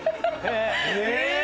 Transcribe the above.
え